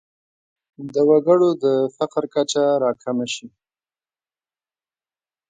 د وګړو د فقر کچه راکمه شي.